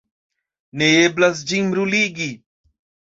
Ne eblas ĝin bruligi.